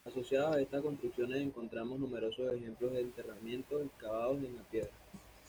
Asociados a estas construcciones encontramos numerosos ejemplos de enterramientos excavados en la piedra.